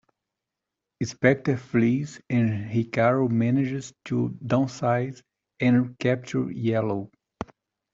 Specter flees, and Hikaru manages to downsize and capture Yellow.